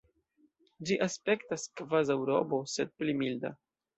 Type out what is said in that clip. Ĝi aspektas kvazaŭ robo, sed pli milda.